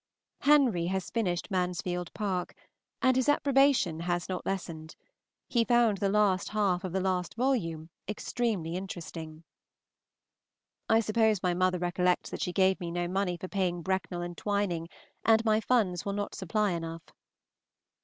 Henry has finished "Mansfield Park," and his approbation has not lessened. He found the last half of the last volume extremely interesting. I suppose my mother recollects that she gave me no money for paying Brecknell and Twining, and my funds will not supply enough.